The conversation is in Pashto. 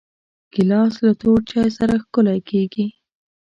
ګیلاس له تور چای سره ښکلی کېږي.